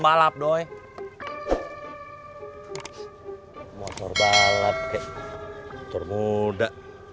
karena dia biasa skateboardnya